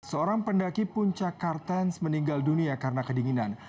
seorang pendaki puncak kartens meninggal dunia karena kedinginan